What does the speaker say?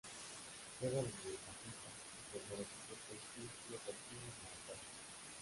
Juega de mediocampista, su primer equipo fue el Club Deportivo Marathón.